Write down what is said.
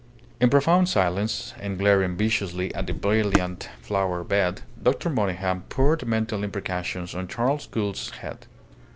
In profound silence, and glaring viciously at the brilliant flower bed, Dr. Monygham poured mental imprecations on Charles Gould's head.